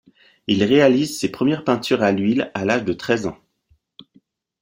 Il réalise ses premières peintures à l'huile à l'âge de treize ans.